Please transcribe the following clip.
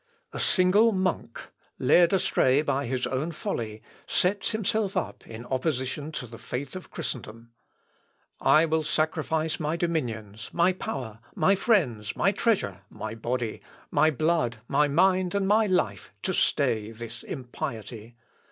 A single monk, led astray by his own folly, sets himself up in opposition to the faith of Christendom. I will sacrifice my dominions, my power, my friends, my treasure, my body, my blood, my mind, and my life, to stay this impiety.